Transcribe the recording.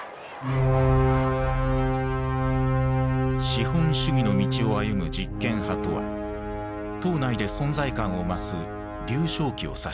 「資本主義の道を歩む実権派」とは党内で存在感を増す劉少奇を指していた。